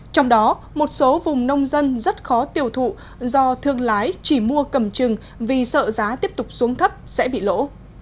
trong đó một số vùng nông dân rất khó tiêu thụ do thương lái chỉ mua cầm chừng vì sợ giá tiếp tục xuống thấp sẽ bị lỗ